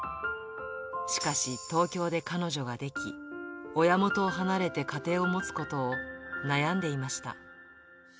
しかし、東京で彼女ができ、親元を離れて家庭を持つことを悩んでいました。